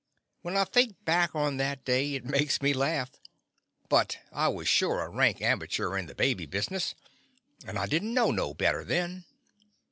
When I think back on that day it makes me laugh, but I was sure a rank amateur in the baby business, and I did n't know no better then.